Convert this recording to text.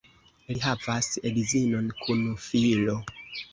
Li havas edzinon kun filo.